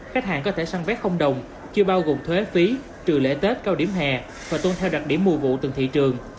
khách hàng có thể săn vé đồng chưa bao gồm thuế phí trừ lễ tết cao điểm hè và tuân theo đặc điểm mùi vụ từng thị trường